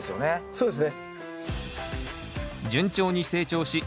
そうです。